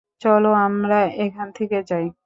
চলো আমরা এখান থেকে যাই।